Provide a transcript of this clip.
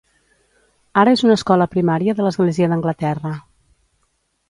Ara és una escola primària de l'Església d'Anglaterra.